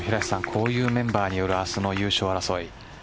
こういうメンバーによる明日の優勝争い。